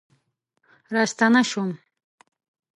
راستنه شوم